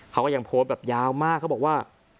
เขาก็ยังโพสต์แบบยาวมากเขาบอกว่า